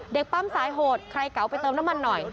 ปั๊มสายโหดใครเก๋าไปเติมน้ำมันหน่อย